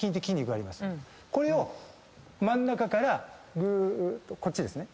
これを真ん中からぐーっとこっちですね。